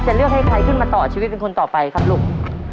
เลือกให้ใครขึ้นมาต่อชีวิตเป็นคนต่อไปครับลูก